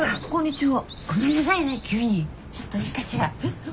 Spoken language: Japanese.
ちょっといいかしら。